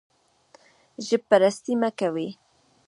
ژب پرستي مه کوئ